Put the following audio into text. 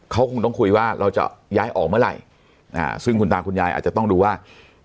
เขาคงต้องคุยว่าเราจะย้ายออกเมื่อไหร่ซึ่งคุณตาคุณยายอาจจะต้องดูว่า